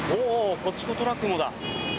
こっちのトラックにもだ。